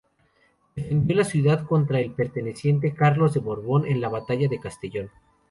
Defendió la ciudad contra el pretendiente Carlos de Borbón en la batalla de Castellón.